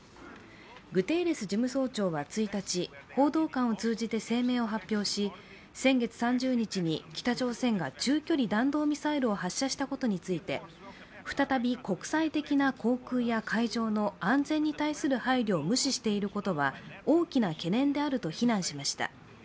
グテーレス事務総長は１日、報道官を通じて声明を発表し先月３０日に北朝鮮が中距離弾道ミサイルを発射したことについて再び国際的な航空や海上の安全に対する配慮を無視していることは大きな懸念であると非難しました。